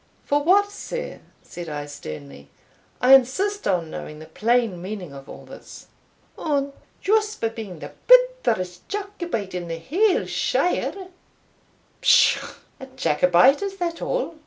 "For what, sir?" said I sternly. "I insist on knowing the plain meaning of all this." "On, just for the bitterest Jacobite in the haill shire." "Pshaw! a Jacobite? is that all?"